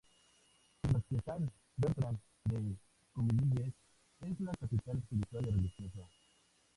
Mientras que Saint Bertrand de Cominges es la capital espiritual y religiosa.